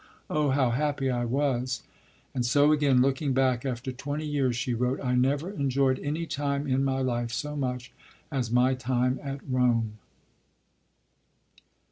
"Oh, how happy I was!" And so again, looking back after twenty years, she wrote: "I never enjoyed any time in my life so much as my time at Rome."